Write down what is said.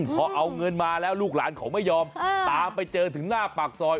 พอเอาเงินมาแล้วลูกหลานเขาไม่ยอมตามไปเจอถึงหน้าปากซอย